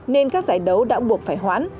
nên các giải đấu đã buộc phải hoãn